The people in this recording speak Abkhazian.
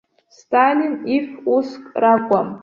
Сталин иф-уск ракәым.